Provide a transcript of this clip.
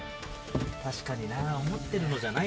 確かにな、思ってるのじゃな